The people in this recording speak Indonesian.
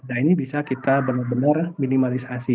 dan ini bisa kita benar benar minimalisasi